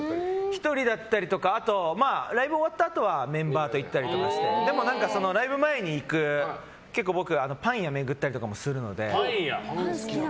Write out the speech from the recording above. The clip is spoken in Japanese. １人だったりとかあと、ライブ終わったあとはメンバーと行ったりとかしてライブ前に行くパン屋を巡ったりもするんで。